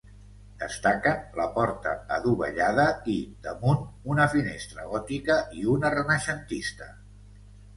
Destaquen la porta adovellada i, damunt, una finestra gòtica i una renaixentista.